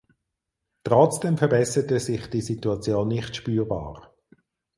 Trotzdem verbesserte sich die Situation nicht spürbar.